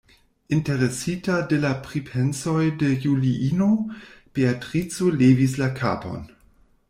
Interesita de la pripensoj de Juliino, Beatrico levis la kapon.